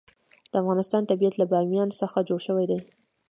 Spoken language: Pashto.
د افغانستان طبیعت له بامیان څخه جوړ شوی دی.